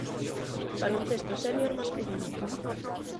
Baloncesto sénior masculino.